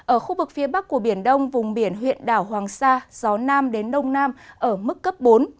ở khu vực phía bắc của biển đông vùng biển huyện đảo hoàng sa gió nam đến đông nam ở mức cấp bốn